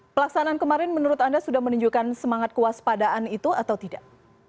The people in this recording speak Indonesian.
pelaksanaan kemarin menurut anda sudah menunjukkan semangat kewaspadaan itu atau tidak